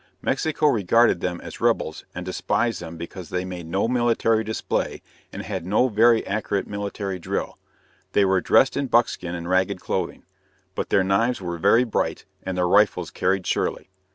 Mexico regarded them as rebels and despised them because they made no military display and had no very accurate military drill. They were dressed in buckskin and ragged clothing; but their knives were very bright and their rifles carried surely.